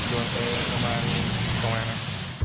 โยนทันตรงนั้น